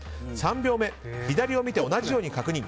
３秒目、左を見て同じように確認。